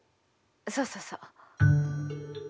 そうそうそう。